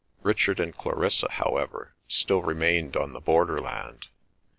Richard and Clarissa, however, still remained on the borderland.